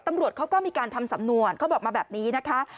ตำรวจเขาก็มีการทำสำนวนเขาบอกมาแบบนี้นะคะ